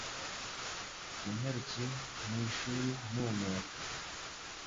Nanyarukiye mu ishuri mpumeka.